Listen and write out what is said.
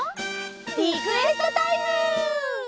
リクエストタイム！